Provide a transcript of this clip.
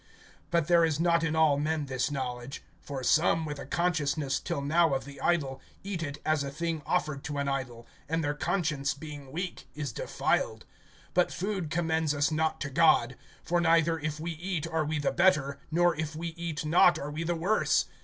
(7)But there is not in all men this knowledge; for some, with a consciousness till now of the idol, eat it as a thing offered to an idol; and their conscience being weak is defiled. (8)But food commends us not to God; for neither, if we eat, are we the better; nor, if we eat not, are we the worse.